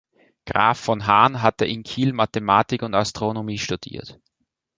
Graf von Hahn hatte in Kiel Mathematik und Astronomie studiert.